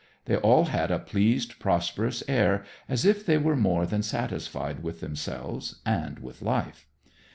They all had a pleased, prosperous air, as if they were more than satisfied with themselves and with life.